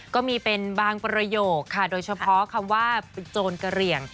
ก็มีเป็นบางประโยคค่ะโดยเฉพาะคำว่าโจรกระเหลี่ยง